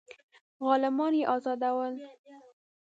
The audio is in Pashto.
غلامان یې آزادول.